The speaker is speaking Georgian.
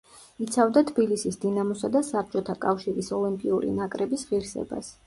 იცავდა თბილისის „დინამოსა“ და საბჭოთა კავშირის ოლიმპიური ნაკრების ღირსებას.